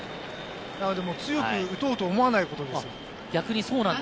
強く打とうと思わないことですね。